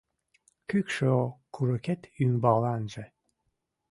Кӱкшӧ курыкет ӱмбаланже